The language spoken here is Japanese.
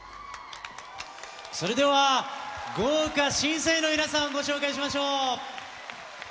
それでは豪華審査員の皆さんをご紹介しましょう。